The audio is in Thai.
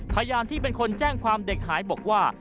พยานที่เป็นคนแจ้งความเด็กหายบอกว่า